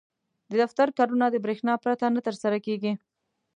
• د دفتر کارونه د برېښنا پرته نه ترسره کېږي.